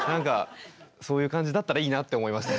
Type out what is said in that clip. そういう感じだったらいいなって思いました。